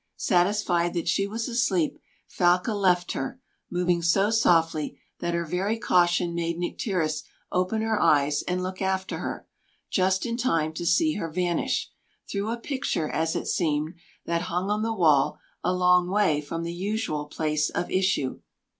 Satisfied that she was asleep, Falca left her, moving so softly that her very caution made Nycteris open her eyes and look after her just in time to see her vanish through a picture, as it seemed, that hung on the wall a long way from the usual place of issue.